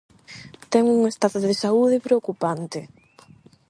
Ten un estado de saúde preocupante.